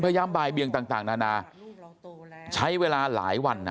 พยายามบายเบียงต่างนานาลูกเราโตแล้วใช้เวลาหลายวันอ่ะ